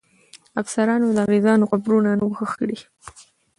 افسرانو د انګریزانو قبرونه نه وو ښخ کړي.